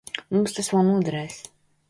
Mums tas vēl noderēs.